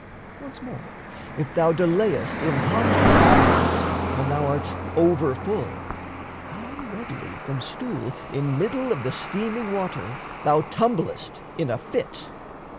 Once more, if thou delayest in hot baths, When thou art over full, how readily From stool in middle of the steaming water Thou tumblest in a fit!